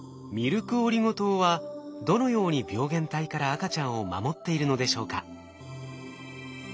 ミルクオリゴ糖はどのように病原体から赤ちゃんを守っているのでしょうか？